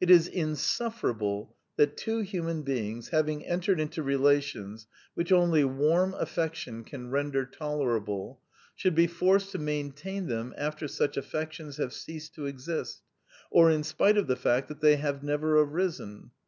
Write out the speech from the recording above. It is insufferable that two human beings, having entered into relations which only warm affection can render tolerable, should be forced to maintain them after such affec tions have ceased to exist, or in spite of the fact that they have never arisen.